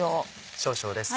少々です。